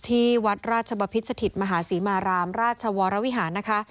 ที่วัดราชบพิษสถิตมหาศรีมารามราชวรวิหารนะคะ